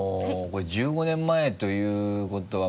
これ１５年前ということは。